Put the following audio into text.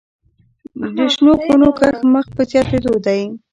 د شنو خونو کښت مخ په زیاتیدو دی